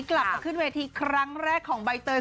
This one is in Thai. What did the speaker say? กลับมาขึ้นเวทีครั้งแรกของใบเตย